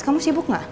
kamu sibuk gak